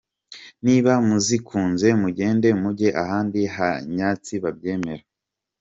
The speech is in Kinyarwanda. Niba muzikunze mugende mujye ahandi ha nyatsi babyemera.